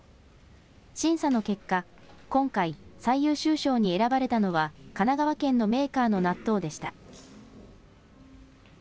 審査の結果、今回、最優秀賞に選ばれたのは、神奈川県のメーカーの納豆でした。